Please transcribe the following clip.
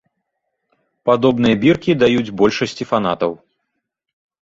Падобныя біркі даюць большасці фанатаў.